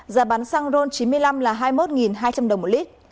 giá bán xăng ron chín mươi năm là hai mươi một hai trăm linh đồng một lít